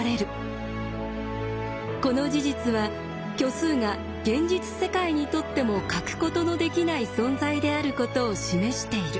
この事実は虚数が現実世界にとっても欠くことのできない存在であることを示している。